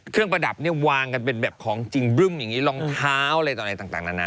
เครื่องประดับวางกันเป็นแบบของจริงลองเท้าอะไรต่างนานา